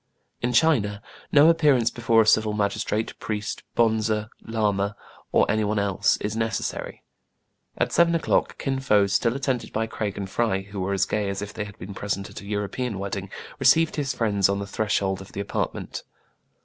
In China no appearance before a civil magistrate, priest, bonze, lama, or any one else, is necessary. At seven o'clock Kin Fo, still attended by Craig and Fry, who were as gay as if they had been present at a European wedding, received his friends on the threshold of the apartment.